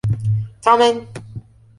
Tamen.